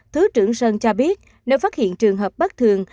thứ trưởng sơn cho biết nếu phát hiện trường hợp bất thường